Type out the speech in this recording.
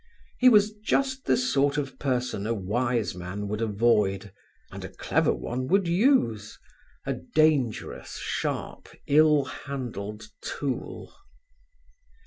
He was just the sort of person a wise man would avoid and a clever one would use a dangerous, sharp, ill handled tool.